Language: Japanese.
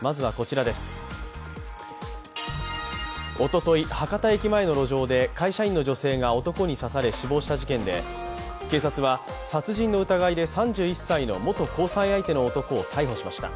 おととい博多駅前の路上で会社員の女性が男に刺され、死亡した事件で、警察は殺人の疑いで３１歳の元交際相手の男を逮捕しました。